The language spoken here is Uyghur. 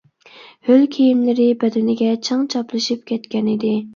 ھۆل كىيىملىرى بەدىنىگە چىڭ چاپلىشىپ كەتكەنىدى.